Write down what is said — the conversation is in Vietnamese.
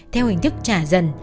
theo hình thức trả dần